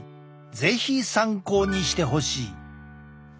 是非参考にしてほしい。